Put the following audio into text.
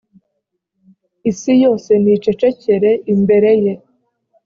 isi yose nicecekere imbere ye